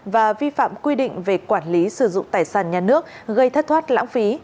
và vi phạm quy định về quản lý sử dụng tài sản nhà nước gây thất thoát lãng phí